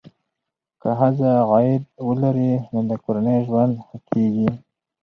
که ښځه عاید ولري، نو د کورنۍ ژوند ښه کېږي.